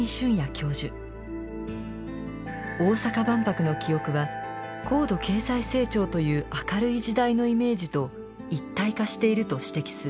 大阪万博の記憶は高度経済成長という明るい時代のイメージと一体化していると指摘する。